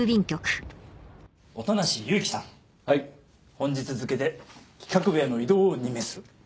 本日付で企画部への異動を任命する。